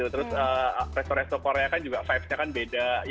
nah kalau kita restoran restoran korea kan juga vibesnya kan beda